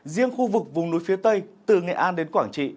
riêng khu vực vùng núi phía tây từ nghệ an đến quảng trị